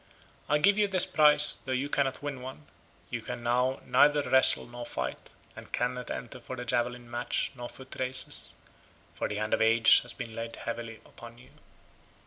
I give you this prize though you cannot win one; you can now neither wrestle nor fight, and cannot enter for the javelin match nor foot races, for the hand of age has been laid heavily upon you."